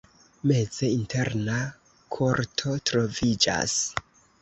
Meze interna korto troviĝas.